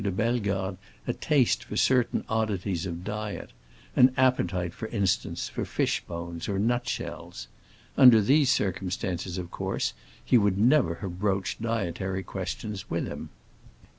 de Bellegarde a taste for certain oddities of diet; an appetite, for instance, for fishbones or nutshells. Under these circumstances, of course, he would never have broached dietary questions with him.